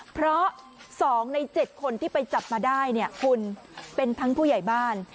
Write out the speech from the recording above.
เพราะ๒ใน๗คนที่ไปจับมาได้เนี่ยคุณเป็นทั้งผู้ใหญ่บ้าน